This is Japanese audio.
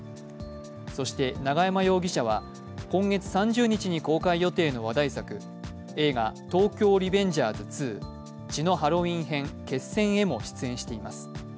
そして、永山容疑者は今月３０日に公開予定の話題作、映画「東京リベンジャーズ２血のハロウィン編−決戦−」へも出演しています。